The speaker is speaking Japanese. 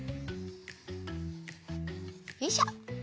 よいしょ！